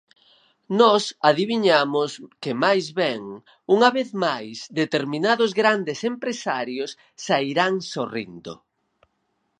Nós adiviñamos que máis ben, unha vez máis, determinados grandes empresarios sairán sorrindo.